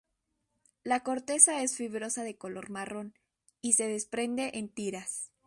La corteza es fibrosa de color marrón y se desprende en tiras.